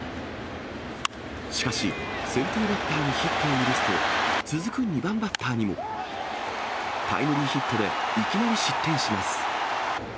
しかし、先頭バッターにヒットを許すと、続く２番バッターにもタイムリーヒットでいきなり失点します。